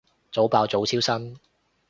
早爆早超生